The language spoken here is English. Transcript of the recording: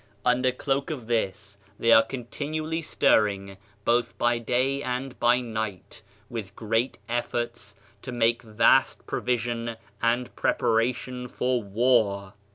Under cloak of this, they are continually stir ring, both by day and by night, with, great efforts to make vast provision and preparation for war.